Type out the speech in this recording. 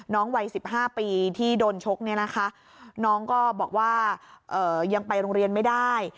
วัย๑๕ปีที่โดนชกเนี่ยนะคะน้องก็บอกว่ายังไปโรงเรียนไม่ได้